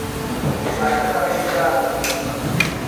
latino-americanos